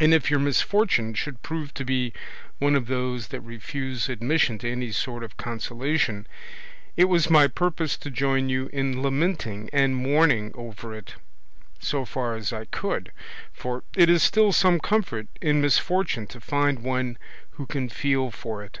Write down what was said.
And if your misfortune should prove to be one of those that refuse admission to any sort of consolation, it was my purpose to join you in lamenting and mourning over it, so far as I could; for it is still some comfort in misfortune to find one who can feel for it.